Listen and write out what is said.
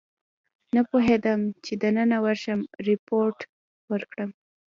نه پوهېدم چې دننه ورشم ریپورټ ورکړم.